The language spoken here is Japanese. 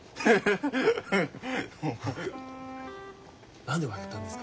何で笑ったんですか？